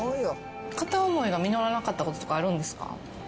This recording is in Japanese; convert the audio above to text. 片思いが実らなかったこととかあるんですか？